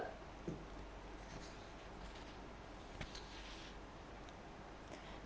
đồn biên phòng hòn sơn